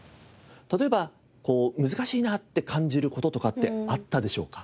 例えば難しいなって感じる事とかってあったでしょうか？